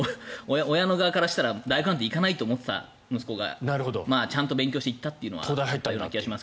親の側からしたら大学なんて行かないと思っていた息子がちゃんと勉強していったというのは。